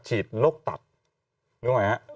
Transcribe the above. โรคตับนึกออกไหมฮะ